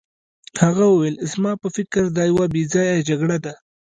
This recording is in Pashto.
هغه وویل زما په فکر دا یوه بې ځایه جګړه ده.